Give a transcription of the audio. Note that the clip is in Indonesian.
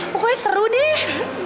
pokoknya seru deh